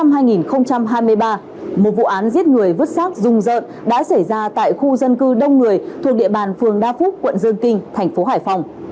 khán giả vào ngày một mươi tháng sáu năm hai nghìn hai mươi ba một vụ án giết người vứt sát rung rợn đã xảy ra tại khu dân cư đông người thuộc địa bàn phường đa phúc quận dương kinh thành phố hải phòng